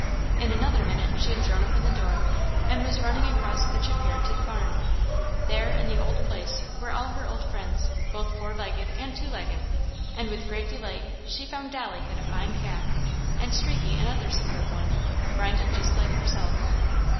In another minute she had thrown open the door and was running across the chip yard to the barn. There, in the old place, were all her old friends, both four legged and two legged; and with great delight she found Dolly had a fine calf, and Streaky another superb one, brindled just like herself.